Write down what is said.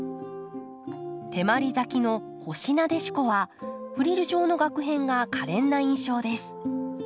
手まり咲きの「星なでしこ」はフリル状のがく片がかれんな印象です。